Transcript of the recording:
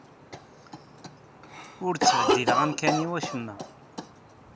Ur ttbeddileɣ amkan i wacemma.